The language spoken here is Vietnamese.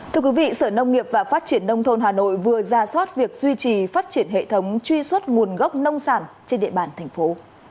thưa quý vị sở nông nghiệp và phát triển nông thôn hà nội vừa ra soát việc duy trì phát triển hệ thống truy xuất nguồn gốc nông sản trên địa bàn thành phố